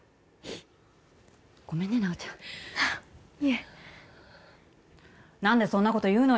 ごめんね奈央ちゃんいえ何でそんなこと言うのよ